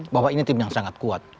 bahwa ini tim yang sangat kuat